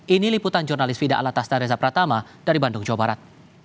ini liputan jurnalis fida alatas dari zabratama dari bandung jawa barat